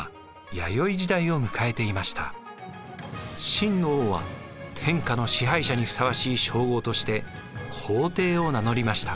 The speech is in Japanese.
秦の王は天下の支配者にふさわしい称号として皇帝を名乗りました。